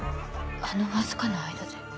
あのわずかな間で。